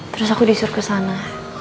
terus aku disuruh kesana